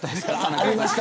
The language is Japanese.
ありました。